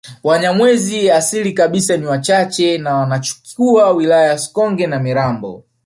Wanyamwezi asili kabisa ni wachache na wanachukua wilaya ya Sikonge na Mirambo